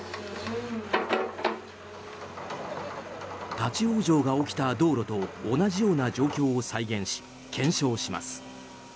立ち往生が起きた道路と同じような状況を再現し検証します。